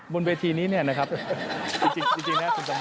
บนเวทีนี้นะครับจริงนะครับคุณสำหรับ